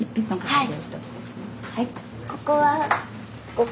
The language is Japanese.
はい。